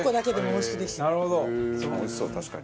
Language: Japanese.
おいしそう確かに。